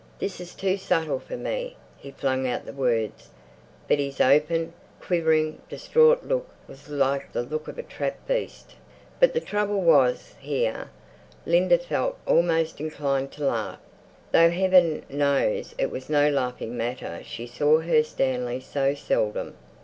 "This is too subtle for me!" He flung out the words, but his open, quivering, distraught look was like the look of a trapped beast. But the trouble was—here Linda felt almost inclined to laugh, though Heaven knows it was no laughing matter—she saw her Stanley so seldom.